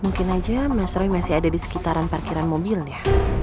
mungkin aja mas roy masih ada di sekitaran parkiran mobil ya